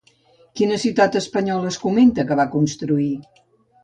Quina ciutat espanyola es comenta que va constituir?